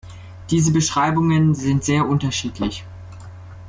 Diese Beschreibungen sind sehr unterschiedlich.